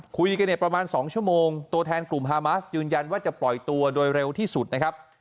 คุยกันเนี่ยประมาณ๒ชั่วโมงตัวแทนกลุ่มฮามาสยืนยันว่าจะปล่อยตัวโดยเร็วที่สุดนะครับ